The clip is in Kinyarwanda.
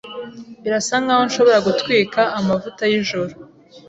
Birasa nkaho nshobora gutwika amavuta yijoro.